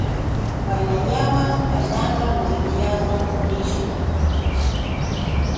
Walallawan kananqa busullawanmi lishun.